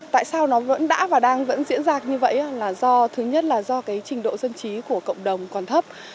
tại sao nó vẫn đã và đang vẫn diễn ra như vậy là do thứ nhất là do cái trình độ dân trí của cộng đồng còn thấp